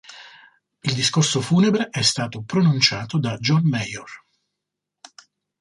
Il discorso funebre è stato pronunciato da John Major.